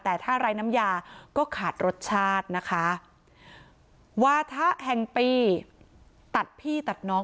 แต่ถ้าไร้น้ำยาก็ขาดรสชาตินะคะวาถะแห่งปีตัดพี่ตัดน้อง